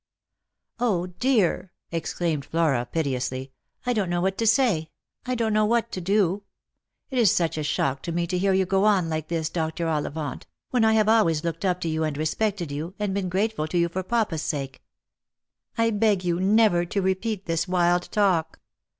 " 0, dear," exclaimed Flora piteously, " I don't know what to say, I don't know what to do ! It is such a shock to me to hear you go on like this, Dr. Ollivant, when I have always looked up to you and respected you, and been grateful to you for papa's sake. I beg you never to repeat this wild talk.